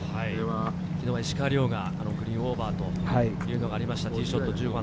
昨日は石川遼がグリーンオーバーというのがありました。